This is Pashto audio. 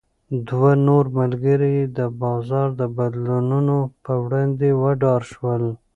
دوه نور ملګري یې د بازار د بدلونونو په وړاندې وډار شول.